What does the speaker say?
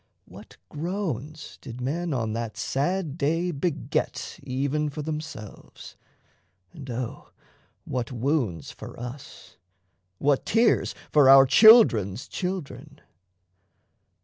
What groans did men on that sad day beget Even for themselves, and O what wounds for us, What tears for our children's children!